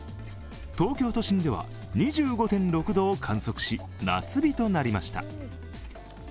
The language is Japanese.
東京都心では２５．６度を観測し、夏日となりました。